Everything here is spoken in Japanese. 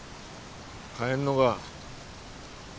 帰んのが。